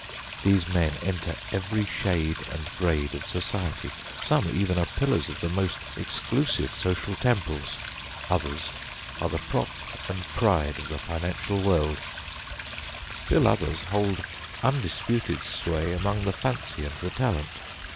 These men enter every shade and grade of society; some even are pillars of the most exclusive social temples; others are the prop and pride of the financial world; still others, hold undisputed sway among the 'Fancy and the Talent.'